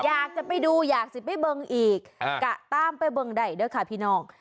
อยากจะไปดูอยากจะไปเบิงอีกกะตามไปเบิงใดด้วยค่ะพี่น้อง